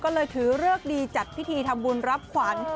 ก็เลยถือเลิกดีจัดพิธีทำบุญรับขวัญ